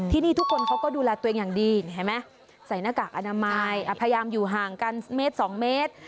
ที่นี่ทุกคนเขาก็ดูแลตัวเองอย่างดีเห็นไหมใส่หน้ากากอนามัยพยายามอยู่ห่างกันเมตร๒เมตร